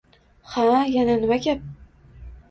— Ha, yana nima gap?